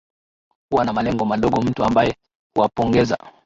huwa na malengo madogo mtu ambaye huwapongeza